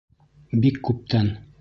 Бик күптән.